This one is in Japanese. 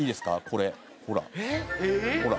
これほらほら。